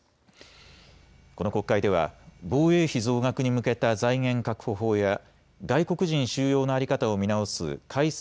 この国会では防衛費増額に向けた財源確保法や外国人収容の在り方を見直す改正